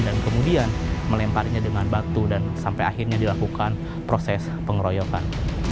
dan kemudian melemparinya dengan batu dan sampai akhirnya dilakukan proses pengeroyokan